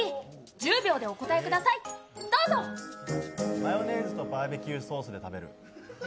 マヨネーズとバーベキューソースで食べる。